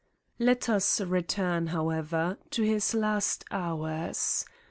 Let us return, however, to his last hours.